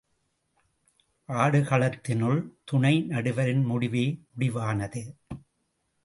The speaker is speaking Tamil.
ஆடுகளத்தினுள், துணை நடுவரின் முடிவே முடிவானது.